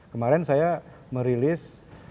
kemarin saya merilis